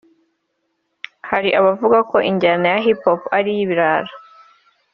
Hari abavuga ko injyana ya Hiphop ari iy’ibirara